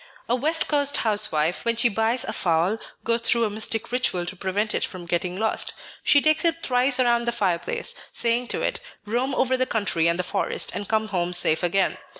A west coast housewife, when she buys a fowl, goes through a mystic ritual to prevent it from getting lost. She takes it thrice round the fireplace, saying to it: "Roam over the country and the forest, and come home safe again."